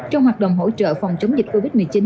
trong hoạt động hỗ trợ phòng chống dịch covid một mươi chín